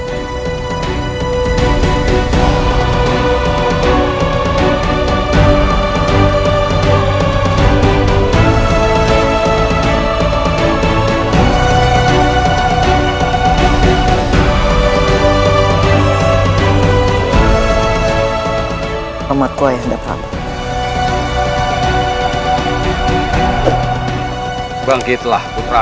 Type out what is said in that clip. amat gue yang dapat bangkitlah putra